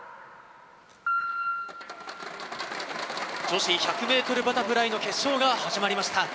女子１００ｍバタフライの決勝が始まりました。